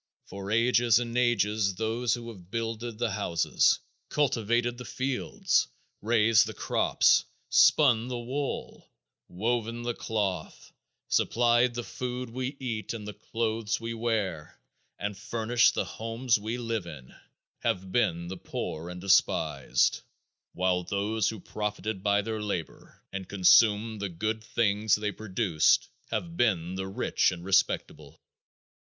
For ages and ages those who have builded the houses, cultivated the fields, raised the crops, spun the wool, woven the cloth, supplied the food we eat and the clothes we wear, and furnished the homes we live in, have been the poor and despised, while those who profited by their labor and consumed the good things they produced, have been the rich and respectable.